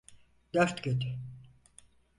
Dört gün.